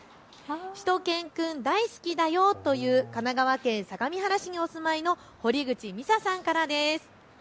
しゅと犬くん大好きだよという神奈川県相模原市にお住まいのほりぐちみささんからです。